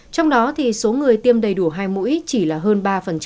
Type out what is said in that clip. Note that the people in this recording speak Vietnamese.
trong đó thì số người tiêm đầy đủ hai mũi chỉ là hơn ba